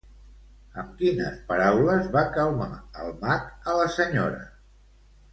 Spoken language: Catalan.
Amb quines paraules va calmar el mag a la senyora?